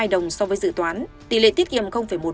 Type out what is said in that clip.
hai đồng so với dự toán tỷ lệ tiết kiệm một